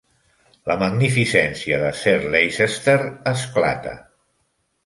La magnificència de Sir Leicester esclata.